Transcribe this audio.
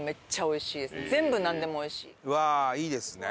うわーいいですね。